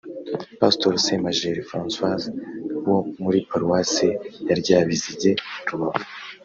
Pastori Semajeri Francois wo muri Paruwasi ya Ryabizige (Rubavu)